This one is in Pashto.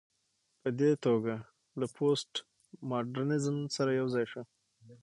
په دې توګه له پوسټ ماډرنيزم سره يوځاى شو